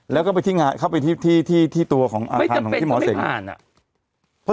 แล้วก็ไปที่เข้าไปที่ที่ที่ตัวของอาคารของที่หมอเสงไม่จำเป็นก็ไม่ผ่านอ่ะ